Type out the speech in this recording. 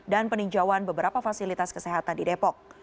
dan peninjauan beberapa fasilitas kesehatan di depok